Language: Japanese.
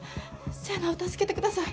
星名を助けてください。